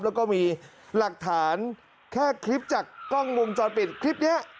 แล้วก็มีหลักฐานแค่คลิปจากกล้องวงจรปิดคลิปนี้